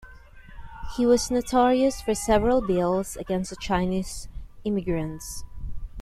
He was notorious for several bills against the Chinese immigrants.